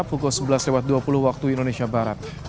pukul sebelas dua puluh waktu indonesia barat